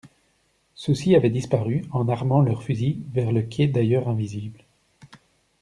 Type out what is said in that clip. Ceux-ci avaient disparu, en armant leurs fusils, vers le quai d'ailleurs invisible.